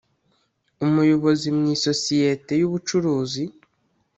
umuyobozi mu isosiyete y ubucuruzi